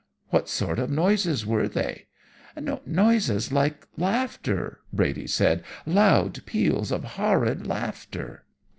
What sort of noises were they?' "'Noises like laughter!' Brady said. 'Loud peals of horrid laughter.'